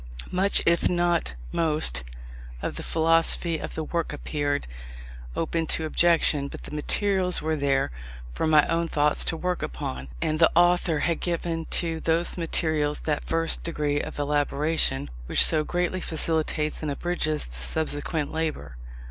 Much, if not most, of the philosophy of the work appeared open to objection; but the materials were there, for my own thoughts to work upon: and the author had given to those materials that first degree of elaboration, which so greatly facilitates and abridges the subsequent labour.